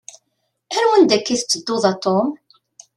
Ar wanda akka i tettedduḍ a Tom?